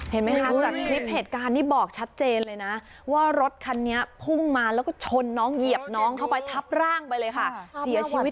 เห็นไหมคะจากคลิปเหตุการณ์นี้บอกชัดเจนเลยนะว่ารถคันนี้พุ่งมาแล้วก็ชนน้องเหยียบน้องเข้าไปทับร่างไปเลยค่ะเสียชีวิต